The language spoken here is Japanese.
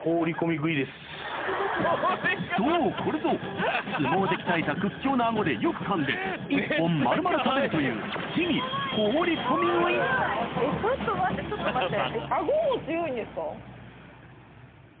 そうこれぞ相撲で鍛えた屈強なアゴでよくかんで１本丸々食べるというちょっと待ってちょっと待って。